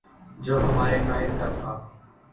جو ہمارے قاہد کا تھا